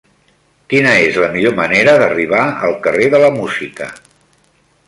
Quina és la millor manera d'arribar al carrer de la Música?